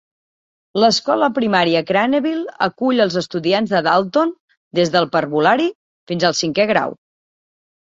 L'escola primària Craneville acull els estudiants de Dalton des de parvulari fins al cinquè grau.